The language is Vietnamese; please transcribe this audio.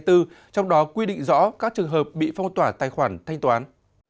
trong đó quy định rõ các trường hợp bị phong tỏa tài khoản thanh toán